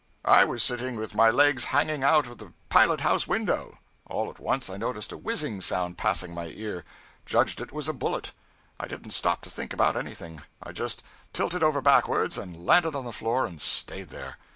I was sitting with my legs hanging out of the pilot house window. All at once I noticed a whizzing sound passing my ear. Judged it was a bullet. I didn't stop to think about anything, I just tilted over backwards and landed on the floor, and staid there.